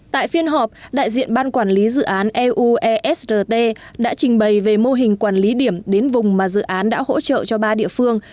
tại phiên họp đại diện ban quản lý dự án eu esrt đã trình bày về mô hình quản lý điểm đến vùng mà dự án đã hỗ trợ cho ba địa phương